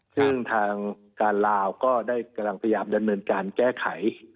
ซึ่งทางการลาวก็ได้กำลังพยายามดำเนินการแก้ไข